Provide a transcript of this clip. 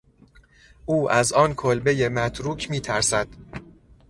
او از آن کلبهی متروک میترسد.